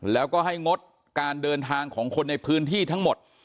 แล้วก็ให้งดการเดินทางของคนในพื้นที่ทั้งหมด